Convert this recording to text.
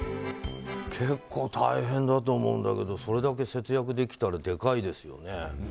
結構大変だと思うんだけどそれだけ節約できたらでかいですよね。